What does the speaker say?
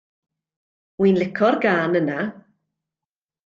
Wi'n lico'r gân yna.